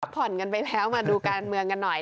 ผ่อนกันไปแล้วมาดูการเมืองกันหน่อย